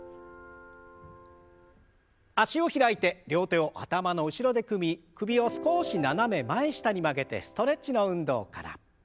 脚を開いて両手を頭の後ろで組み首を少し斜め前下に曲げてストレッチの運動から。